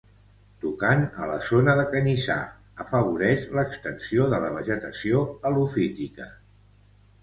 Tocant a la zona de canyissar, afavoreix l'extensió de la vegetació helofítica.